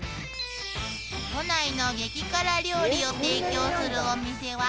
「都内の激辛料理を提供するお店は」